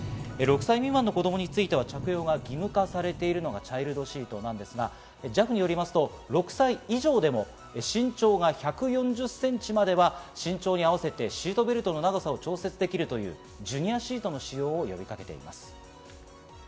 ６歳未満の子供については着用が義務化されているのがチャイルドシートなんですが、ＪＡＦによりますと、６歳以上でも身長が１４０センチまでは身長に合わせてシートベルトの長さを調節できるというジュニアシートの使用を呼びかけています。